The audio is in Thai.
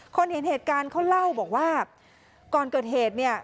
เห็นเหตุการณ์เขาเล่าบอกว่าก่อนเกิดเหตุเนี่ย